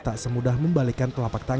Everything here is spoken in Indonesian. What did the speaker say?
tak semudah membalikan telapak tangan